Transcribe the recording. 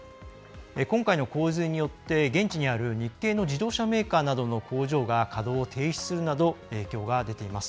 今回の洪水によって現地にある日系の自動車メーカーなどの工場が稼働を停止するなど影響が出ています。